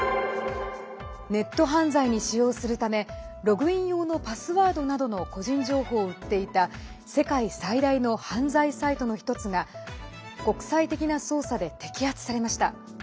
ネット犯罪に使用するためログイン用のパスワードなどの個人情報を売っていた世界最大の犯罪サイトの１つが国際的な捜査で摘発されました。